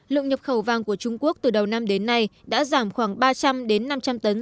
lượng nhập khẩu vàng của trung quốc từ đầu năm đến nay đã giảm khoảng ba trăm linh đến năm trăm linh tấn